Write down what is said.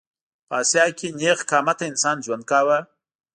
په اسیا کې نېغ قامته انسان ژوند کاوه.